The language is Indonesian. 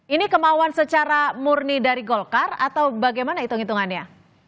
ini kemauan secara murni dari golkar atau bagaimana hitung hitungannya